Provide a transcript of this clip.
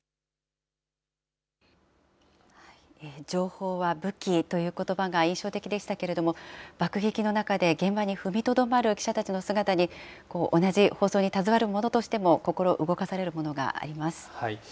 情報は武器ということばが印象的でしたけれども、爆撃の中で現場に踏みとどまる記者たちの姿に、同じ放送に携わる者としても心動かされるものがあります。